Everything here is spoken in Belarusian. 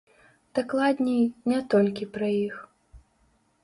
Дакладней, не толькі пра іх.